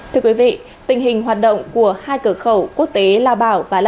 thưa quý vị tình hình hoạt động của hai cửa khẩu quốc tế la bảo và la bảo